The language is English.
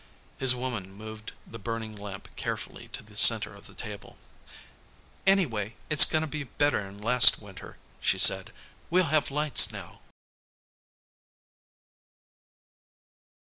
His woman moved the burning lamp carefully to the center of the table. "Anyway, it's gonna be better'n last winter," she said. "We'll have lights now."